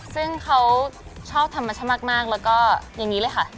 ซึ่งเขาชอบธรรมชาติมากแล้วก็อย่างนี้เลยค่ะ